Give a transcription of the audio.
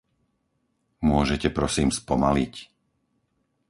Môžete prosím spomaliť?